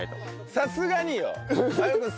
さすがに？